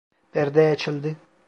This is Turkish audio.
Perde açıldı…